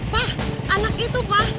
pa anak itu pa